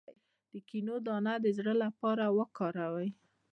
د کینو دانه د زړه لپاره وکاروئ